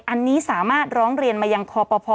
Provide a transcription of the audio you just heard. อันนี้สามารถร้องเรียนมาอย่างคอพอพอ